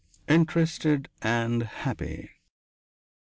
Interested and happy!